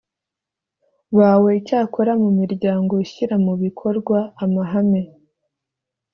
bawe icyakora mu miryango ishyira mu bikorwa amahame